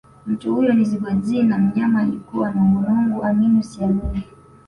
Mtu huyo ni Zigwadzee na mnyama alikuwa nungunungu amini usiamini